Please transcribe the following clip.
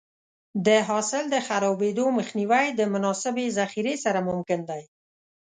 د حاصل د خرابېدو مخنیوی د مناسبې ذخیرې سره ممکن دی.